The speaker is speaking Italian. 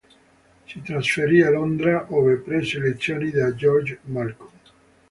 Si trasferì a Londra, ove prese lezioni da George Malcom.